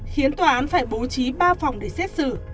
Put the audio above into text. khiến tòa án phải bố trí ba phòng để xét xử